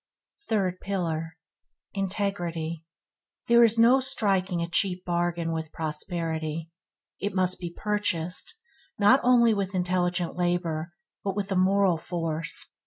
Third pillar – Integrity There is no striking a cheap bargain with prosperity. It must be purchased, not only with intelligent labor, but with moral force.